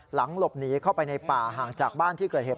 หลังหลบหนีเข้าไปในป่าห่างจากบ้านที่เกิดเหตุ